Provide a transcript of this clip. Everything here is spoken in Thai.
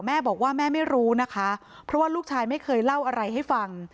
แม่บอกว่าแม่ไม่รู้นะคะเพราะว่าลูกชายไม่เคยเล่าอะไรให้ฟัง